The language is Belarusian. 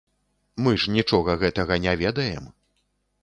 Мы ж нічога гэтага не ведаем.